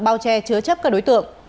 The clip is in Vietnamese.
bao che chứa chấp các đối tượng